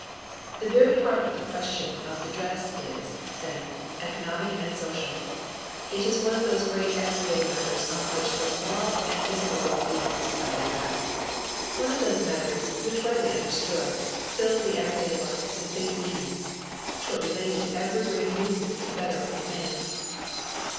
The very heart of the question of the dress is, then, economic and social. It is one of those great everyday matters on which the moral and physical well being of society rests. One of those matters, which, rightly understood, fill the everyday life with big meanings, show it related to every great movement for the betterment of man.